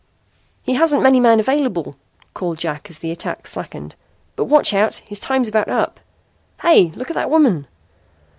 "He hasn't many men available," called Jack as the attack slackened. "But watch out. His time's about up. Hey, look at that woman!"